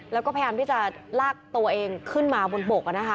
แล้วก็พยายามที่จะลากตัวเองขึ้นมาบนบก